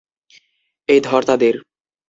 এই ধর তাদের!